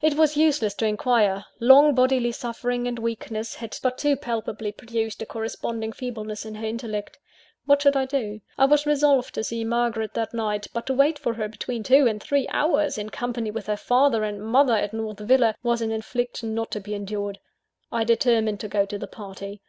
It was useless to inquire. Long bodily suffering and weakness had but too palpably produced a corresponding feebleness in her intellect. What should I do? I was resolved to see Margaret that night; but to wait for her between two and three hours, in company with her father and mother at North Villa, was an infliction not to be endured. I determined to go to the party.